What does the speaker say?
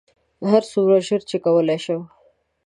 هرڅومره ژر چې کولی شم.